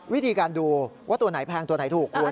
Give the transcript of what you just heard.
วิธีการดูว่าตัวไหนแพงตัวไหนถูกคุณ